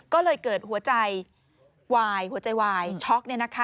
ก็เลยเกิดหัวใจวายหัวใจวายช็อก